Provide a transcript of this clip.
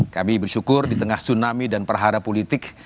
kami bersyukur di tengah tsunami dan perhara politik